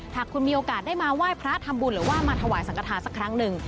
หากคุณมีโอกาสได้มาไหว้พระทำบุญหรือว่ามาถวายสังกฐานสักครั้งหนึ่ง